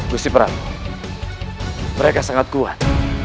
mesti perang mereka sangat kuat